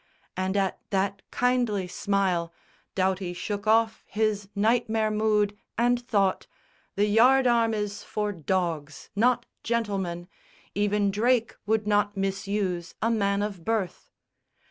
And at that kindly smile Doughty shook off his nightmare mood, and thought, "The yard arm is for dogs, not gentlemen! Even Drake would not misuse a man of birth!"